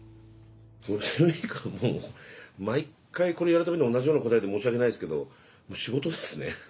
ゴールデンウイークはもう毎回これやる度に同じような答えで申し訳ないですけどもう仕事ですね。